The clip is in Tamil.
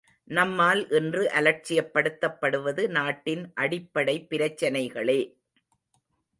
நம்மால் இன்று அலட்சியப்படுத்தப்படுவது நாட்டின் அடிப்படை பிரச்சனைகளே!